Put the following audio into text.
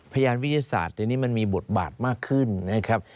พยานวิทยาศาสตร์เดี๋ยวนี้มันมีบทบาทมากขึ้นนะครับ